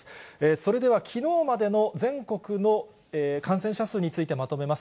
それでは、きのうまでの全国の感染者数についてまとめます。